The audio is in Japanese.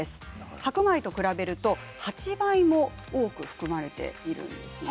白米と比べると８倍も多く含まれているんですね。